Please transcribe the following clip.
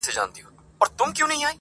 چي یې ستا آواز تر غوږ وي رسېدلی؛